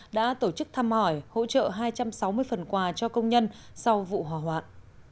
đã tổ chức thăm hỏi hỗ trợ hai trăm sáu mươi phần quà cho công nhân sau vụ hỏa hoạn